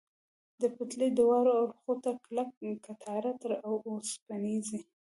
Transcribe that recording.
د پټلۍ دواړو اړخو ته کلکه کټاره، تر اوسپنیزې.